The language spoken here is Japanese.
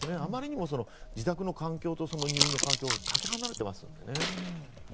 あまりにも自宅の環境と入院の環境がかけ離れていますもんね。